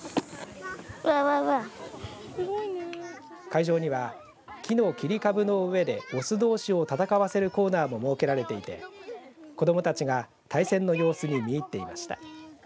会場には木の切り株の上でオスどうしを戦わせるコーナーも設けられていて子どもたちが対戦の様子に見入っていました。